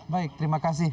baik terima kasih